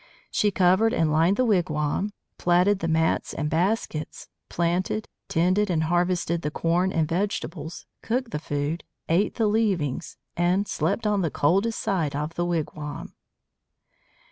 She covered and lined the wigwam, plaited the mats and baskets, planted, tended, and harvested the corn and vegetables, cooked the food, ate the leavings, and slept on the coldest side of the wigwam.